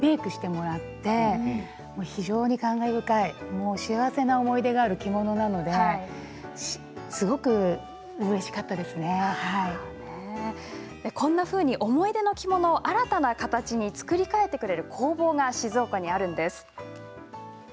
感慨深い幸せな思い出がある着物なのでこんなふうに思い出の着物を新たな形に作り替えてくれる工房が静岡にあるんです。